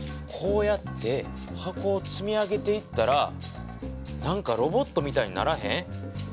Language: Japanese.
こうやって箱を積み上げていったらなんかロボットみたいにならへん？